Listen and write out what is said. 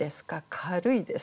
軽いですか？